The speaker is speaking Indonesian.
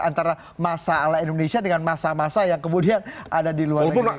antara masa ala indonesia dengan masa masa yang kemudian ada di luar negeri